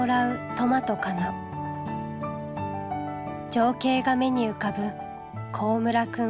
情景が目に浮かぶ幸村くん